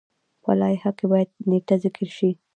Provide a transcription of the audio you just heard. په لایحه کې باید نیټه ذکر شي.